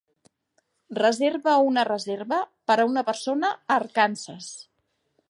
Reserva un reserva per a una persona a Arkansas